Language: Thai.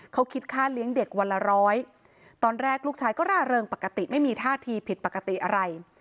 เขาคิดค่าเลี้ยงเด็กวันละร้อยตอนแรกลูกชายก็ร่าเริงปกติไม่มีท่าทีผิดปกติอะไร